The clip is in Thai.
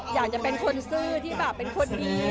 อยากจะเป็นคนซื่อที่แบบเป็นคนดี